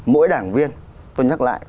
mỗi đảng viên tôi nhắc lại